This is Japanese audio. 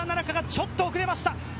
ちょっと遅れた！